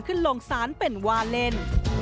ก็ลงสารเป็นวาเล่น